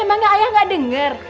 emangnya ayah gak denger